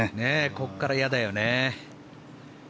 ここから嫌だよね。